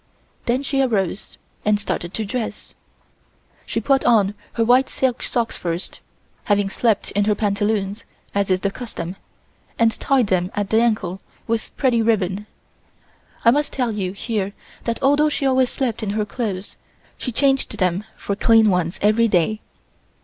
Then she arose and started to dress. She put on her white silk socks first, having slept in her pantaloons as is the custom, and tied them at the ankle with pretty ribbon. I must tell you here that although she always slept in her clothes, she changed them for clean ones every day.